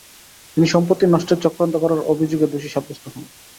তিনি "সম্পত্তি নষ্টের চক্রান্ত করার" অভিযোগে দোষী সাব্যস্ত হন।